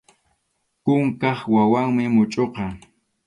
Kunkap hawanmi muchʼuqa.